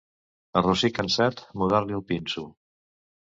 A rossí cansat, mudar-li el pinso.